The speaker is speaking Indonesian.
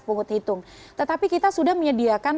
pungut hitung tetapi kita sudah menyediakan